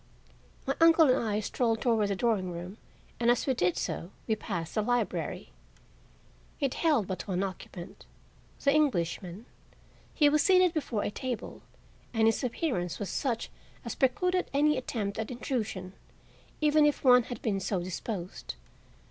My uncle and I strolled toward the drawing room and as we did so we passed the library. It held but one occupant, the Englishman. He was seated before a table, and his appearance was such as precluded any attempt at intrusion, even if one had been so disposed.